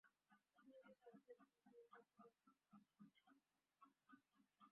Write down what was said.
বাঙ্গিমৌসুমি ফলের মধ্যে প্রাকৃতিকভাবে মুখের ত্বক পরিষ্কার করতে বাঙ্গির জুড়ি মেলা ভার।